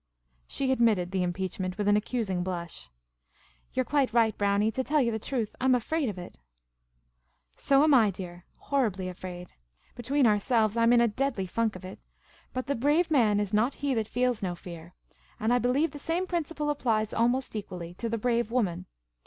She admitted the impeachment with an accusing blush. " You 're quite right, Brownie ; to tell you the truth, I 'm afraid of it." "So am I, dear; horribly afraid. Between ourselves, The Mai^nificent Maharajah 251 I 'm in a deadly funk of it. But ' the brave man is not he that feels no fear '; and I believe the same principle applies almost equally to the brave woman.